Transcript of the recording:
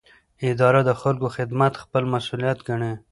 اداره د خلکو خدمت خپل مسوولیت ګڼي.